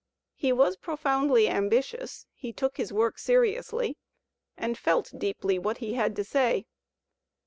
He was profoundly ambitious; he took his work seriously and felt deeply what he had to say.